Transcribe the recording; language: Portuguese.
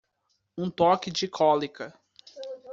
Um toque de cólica.